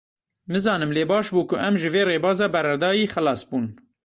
Nizanim lê baş bû ku em ji vê rêbaza beredayî xelas bûn.